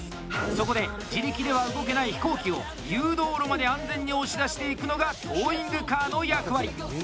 そこで自力では動けない飛行機を誘導路まで安全に押し出していくのがトーイングカーの役割。